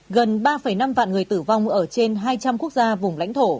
gần ba năm vạn người tử vong ở trên hai trăm linh quốc gia vùng lãnh thổ